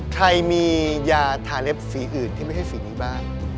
ใครมียาทาเล็บสีอื่นที่ไม่ใช่ฝีนี้บ้าง